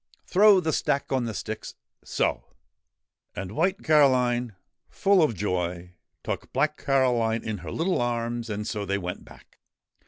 Throw the sack on the sticks so 1 ' And White Caroline, full of joy, took Black Caroline in her little arms, and so they went back.